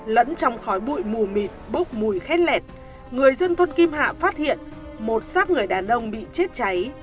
lẫn trong khói bụi mù mịt bốc mùi khét lẹt người dân thôn kim hạ phát hiện một sát người đàn ông bị chết cháy